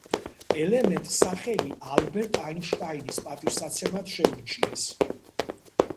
ელემენტს სახელი ალბერტ აინშტაინის პატივსაცემად შეურჩიეს.